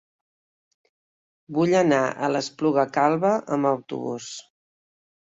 Vull anar a l'Espluga Calba amb autobús.